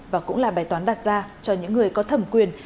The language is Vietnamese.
và cũng là bài toán đặt ra cho những người có thẩm quyền